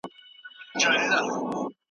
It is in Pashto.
ځینې خلګ په ښارونو کي ژوند کوي.